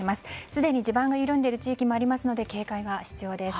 すでに地盤が緩んでいる地域もありますので警戒が必要です。